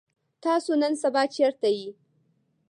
تاسو نن سبا چرته يئ؟